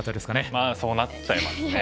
まあそうなっちゃいますね。